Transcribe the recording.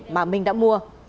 và mình đã mua